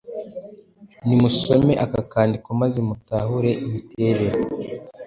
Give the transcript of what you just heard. Nimusome aka kandiko maze mutahure imiterere